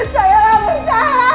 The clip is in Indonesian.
saya gak bersalah